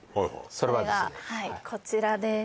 それがこちらです